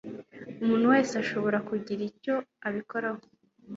umuntu wese ashobora kugira icyo abikoraho